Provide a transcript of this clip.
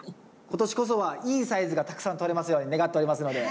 今年こそはいいサイズがたくさんとれますように願っておりますので。